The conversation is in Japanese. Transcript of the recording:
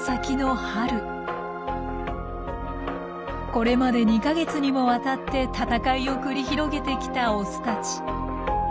これまで２か月にもわたって戦いを繰り広げてきたオスたち。